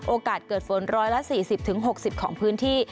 โอกาสเกิดฝน๑๔๐๖๐ของพื้นที่